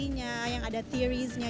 ada theory nya yang ada theories nya